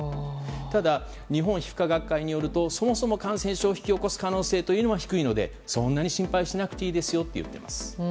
ただ、日本皮膚科学会によるとそもそも感染症を引き起こす可能性は低いので、そんなに心配しなくていいですよということです。